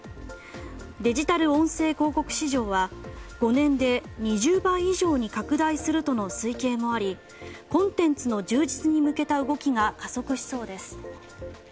デジタル音声広告市場は５年で２０倍以上に拡大するとの推計もありコンテンツの充実に向けた動きが加速しそうです。